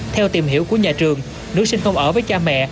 theo tìm hiểu của nhà trường nữ sinh không ở với cha mẹ